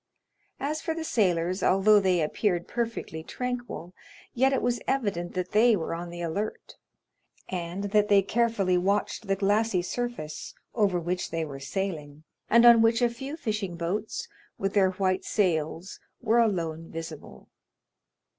As for the sailors, although they appeared perfectly tranquil yet it was evident that they were on the alert, and that they carefully watched the glassy surface over which they were sailing, and on which a few fishing boats, with their white sails, were alone visible.